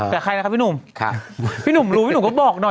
แต่ใครล่ะครับพี่หนุ่มพี่หนุ่มรู้พี่หนุ่มก็บอกหน่อย